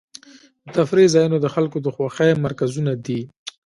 د تفریح ځایونه د خلکو د خوښۍ مرکزونه دي.